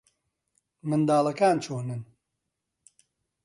منداڵەکان چۆنن؟